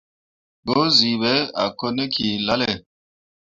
Gǝǝzyii ɓe a kone ki lalle.